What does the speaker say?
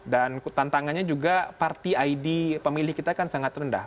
dan tantangannya juga parti id pemilih kita kan sangat rendah